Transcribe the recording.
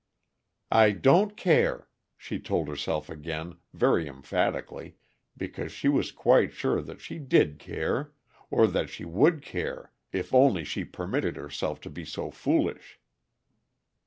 "I don't care," she told herself again very emphatically, because she was quite sure that she did care or that she would care if only she permitted herself to be so foolish.